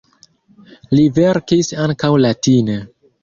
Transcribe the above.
Li verkis ankaŭ latine.